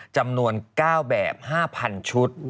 จำนวน๙แบบ๕๐๐๐ชุด